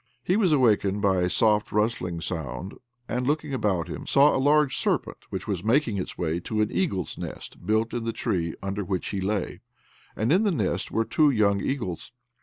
He was awakened by a soft rustling sound, and looking about him, saw a large serpent which was making its way to an eagle's nest built in the tree under which he lay, and in the nest were two young eagles.